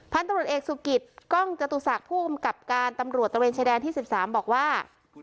พันธุรกิจกล้องจตุศักดิ์ผู้คุมกับการตำรวจตะเวนชายแดนที่สิบสามบอกว่า